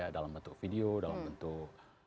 dalam bentuk video dalam bentuk